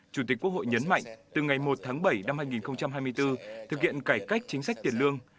chủ tịch quốc hội nhấn mạnh từ ngày một tháng bảy năm hai nghìn hai mươi bốn thực hiện cải cách chính sách tiền lương